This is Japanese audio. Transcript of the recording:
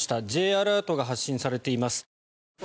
Ｊアラートが発信されています。